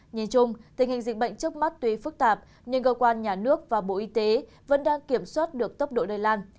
nhìn chung tình hình dịch bệnh trước mắt tuy phức tạp nhưng cơ quan nhà nước và bộ y tế vẫn đang kiểm soát được tốc độ lây lan